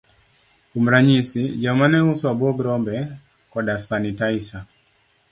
Kuom ranyisi, joma ne uso abuog rombe koda sanitaisa.